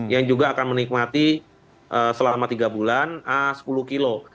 yang juga akan menikmati selama tiga bulan sepuluh kilo